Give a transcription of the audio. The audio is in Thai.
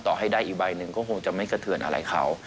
ต่อให้ได้อีกใบหนึ่งก็คงจะไม่กระเทือนอะไรเขา